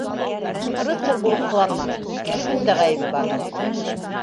— Рыцарь булып ҡыланма, икегеҙҙең дә ғәйебе бар!